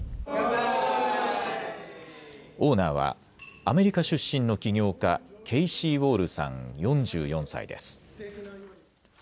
オーナーは、アメリカ出身の起業家、ケイシー・ウォールさん４４歳です。